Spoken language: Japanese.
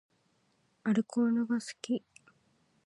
アルコールが好き